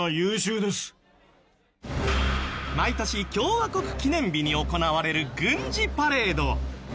毎年共和国記念日に行われる軍事パレード。